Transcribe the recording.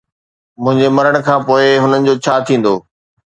منهنجي مرڻ کان پوءِ هنن جو ڇا ٿيندو؟